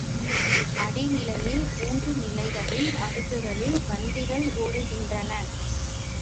அடி நிலையில் மூன்று நிலைகளில் அடுக்குகளில் வண்டிகள் ஓடுகின்றன.